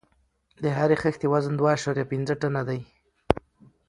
د هرې خښتې وزن دوه اعشاریه پنځه ټنه دی.